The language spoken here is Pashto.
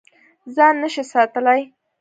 ځان نه شې ساتلی.